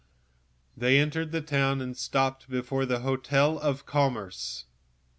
It entered the town, and stopped before the Hotel du Commerce.